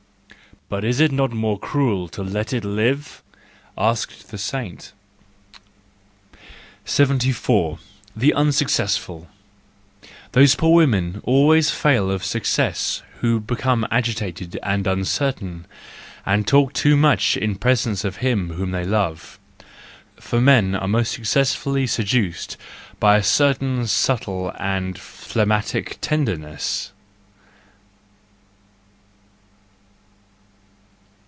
"But is it not more cruel to let it live?" asked the saint. 74 The Unsuccessful —Those poor women always fail of success who become agitated and uncertain, and talk too much in presence of him whom they love; for men are most successfully seduced by a certain subtle and phlegmatic tenderness.